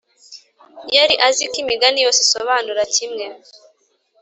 yari azi ko imigani yose isobanura kimwe,